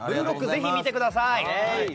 ぜひ見てください！